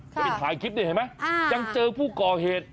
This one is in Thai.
ไปถ่ายคลิปนี่เห็นไหมยังเจอผู้ก่อเหตุ